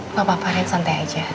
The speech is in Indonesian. nggak apa apa ren santai aja